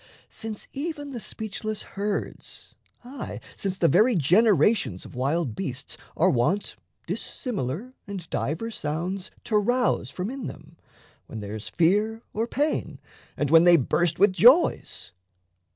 since even the speechless herds, aye, since The very generations of wild beasts Are wont dissimilar and divers sounds To rouse from in them, when there's fear or pain, And when they burst with joys.